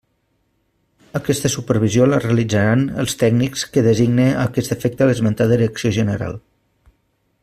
Aquesta supervisió la realitzaran els tècnics que designe a aquest efecte l'esmentada direcció general.